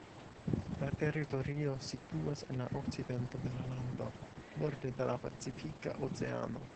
La teritorio situas en la okcidento de la lando, borde de la Pacifika Oceano.